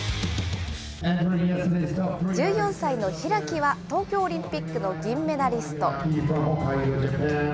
１４歳の開は、東京オリンピックの銀メダリスト。